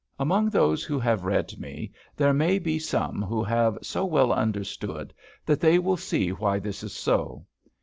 Among those who have read me there may be some who have so well understood, that they will see why this is so.